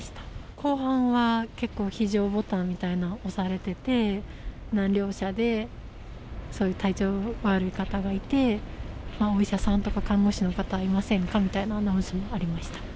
後半は結構非常ボタンみたいなの押されてて、何両車でそういう体調悪い方がいて、お医者さんとか看護師の方いませんかみたいなアナウンスもありま